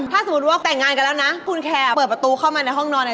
ถ้าสมมุติว่าแต่งงานกันแล้วนะคุณแคร์เปิดประตูเข้ามาในห้องนอนเลย